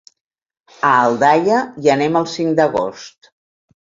A Aldaia hi anem el cinc d'agost.